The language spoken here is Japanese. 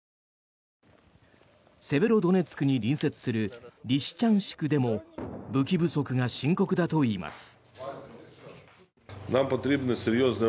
セベロドネツクに隣接するリシチャンシクでも武器不足が深刻だといいます。